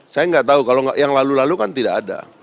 saya nggak tahu kalau yang lalu lalu kan tidak ada